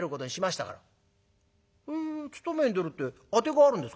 「へえ勤めに出るって当てがあるんですか？」。